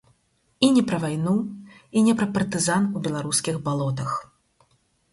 І не пра вайну, і не пра партызан у беларускіх балотах.